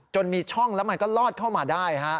มีช่องแล้วมันก็ลอดเข้ามาได้